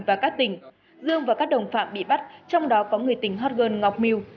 và các tỉnh dương và các đồng phạm bị bắt trong đó có người tỉnh hot girl ngọc miu